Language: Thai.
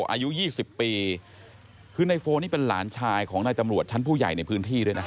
อายุ๒๐ปีคือในโฟนี่เป็นหลานชายของนายตำรวจชั้นผู้ใหญ่ในพื้นที่ด้วยนะ